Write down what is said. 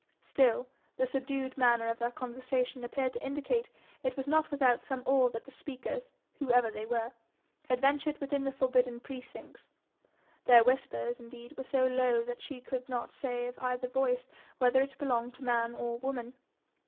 Still the subdued manner of their conversation appeared to indicate it was not without some awe that the speakers, whoever they were, had ventured within the forbidden precincts; their whispers, indeed, were so low that she could not say of either voice whether it belonged to man or woman.